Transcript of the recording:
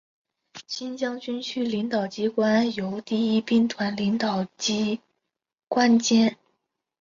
新疆军区领导机关由第一兵团领导机关兼。